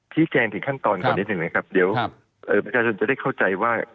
ชี้แจงถึงขั้นตอนก่อนนิดหนึ่งนะครับเดี๋ยวประชาชนจะได้เข้าใจว่า